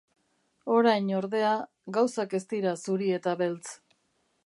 Orain, ordea, gauzak ez dira zuri eta beltz.